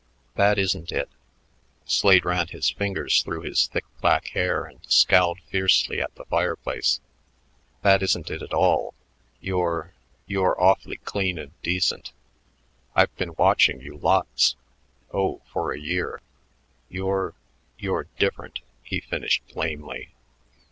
"That isn't it." Slade ran his fingers through his thick black hair and scowled fiercely at the fireplace. "That isn't it at all. You're you're awfully clean and decent. I've been watching you lots oh, for a year. You're you're different," he finished lamely.